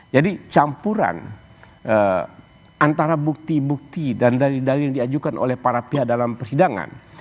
jadi campuran antara bukti bukti dan dalil dalil yang diajukan oleh para pihak dalam persidangan